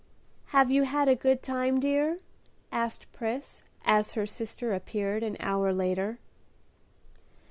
"Have you had a good time, dear?" asked Pris, as her sister appeared an hour later.